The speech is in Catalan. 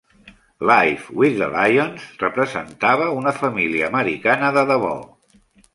'Life with the Lyons' representava una família americana de debò.